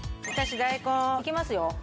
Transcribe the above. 私大根いきますよ